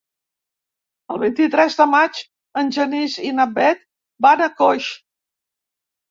El vint-i-tres de maig en Genís i na Bet van a Coix.